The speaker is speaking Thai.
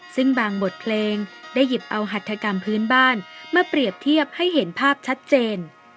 ซึ่งบางบทเพลงได้หยิบเอาหัฐกรรมพื้นบ้านมาเปรียบเทียบให้เห็นภาพชัดเจน